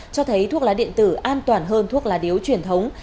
cho thấy thuốc lá điện tử an toàn hơn thuốc lá điếu truyền thống